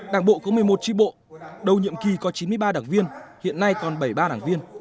đảng bộ có một mươi một tri bộ đầu nhiệm kỳ có chín mươi ba đảng viên hiện nay còn bảy mươi ba đảng viên